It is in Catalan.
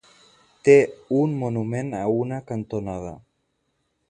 Té un monument a una cantonada.